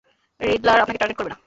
Riddler আপনাকে target করবে না।